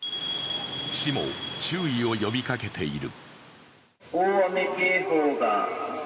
市も注意を呼びかけている。